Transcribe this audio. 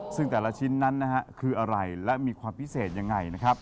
ซึ่งแต่ละชิ้นนั้นนะฮะคืออะไรและมีความพิเศษยังไงนะครับ